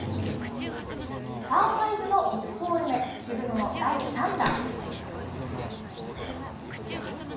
パーファイブの１ホール目、渋野の第３打。